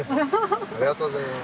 ありがとうございます。